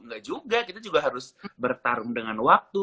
nggak juga kita juga harus bertarung dengan waktu